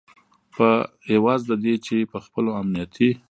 په عوض د دې چې په خپلو امنیتي